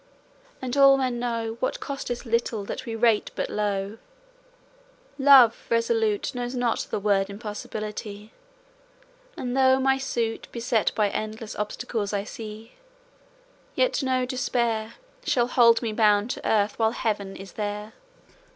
And all men know What costeth little that we rate but low. Love resolute Knows not the word "impossibility;" And though my suit Beset by endless obstacles I see, Yet no despair Shall hold me bound to earth while heaven is there.